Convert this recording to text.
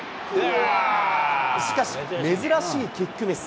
しかし、珍しいキックミス。